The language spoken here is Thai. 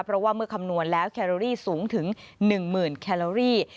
เพราะว่าเมื่อคำนวณแล้วแคลอรี่สูงถึง๑๐๐๐แคลอรี่